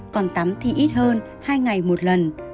còn tắm thì ít hơn hai ngày một lần